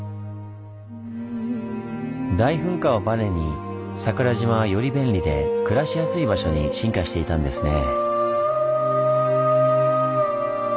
大噴火をばねに桜島はより便利で暮らしやすい場所に進化していたんですね。